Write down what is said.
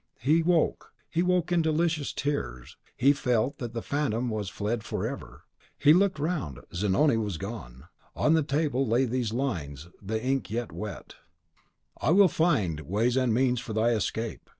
He woke, he woke in delicious tears, he felt that the Phantom was fled forever. He looked round, Zanoni was gone. On the table lay these lines, the ink yet wet: "I will find ways and means for thy escape.